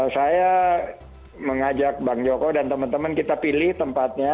saya mengajak bang joko dan teman teman kita pilih tempatnya